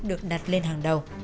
được đặt lên hàng đầu